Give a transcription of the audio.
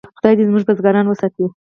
خدای دې زموږ بزګران وساتي.